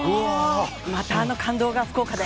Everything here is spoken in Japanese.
またあの感動が福岡で。